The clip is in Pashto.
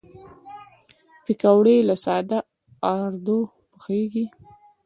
پکورې له ساده آردو پخېږي